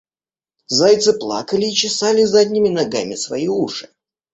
Зайцы плакали и чесали задними ногами свои уши.